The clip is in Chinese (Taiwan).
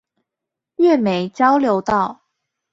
月眉交流道